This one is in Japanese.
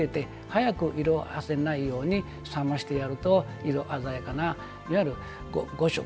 早く色あせないように冷ましてやると色鮮やかな、いわゆる五色